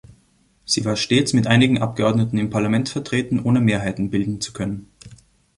Sie war stets mit einigen Abgeordneten im Parlament vertreten, ohne Mehrheiten bilden zu können.